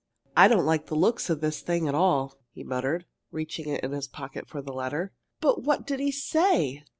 "I don't like the looks of this thing at all," he muttered, reaching in his pocket for the letter. "But what did he say?